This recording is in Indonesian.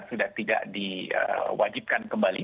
sudah tidak diwajibkan kembali